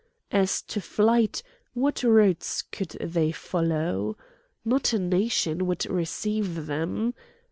As to flight, what routes could they follow? Not a nation would receive them.